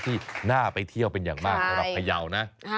ที่น่าไปเที่ยวเป็นอย่างมากสำหรับพยาวนะ